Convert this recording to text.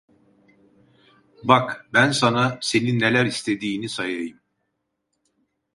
Bak, ben sana, senin neler istediğini sayayım: